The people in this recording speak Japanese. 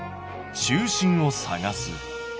「中心を探す」。